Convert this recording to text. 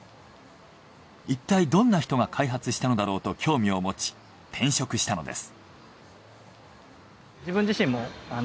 いったいどんな人が開発したのだろうと興味を持ち転職したのです。